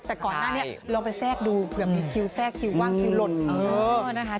แต่ก่อนหน้านี้ลองไปแทรกดูเผื่อมีคิวแทรกคิวว่างคิวหล่น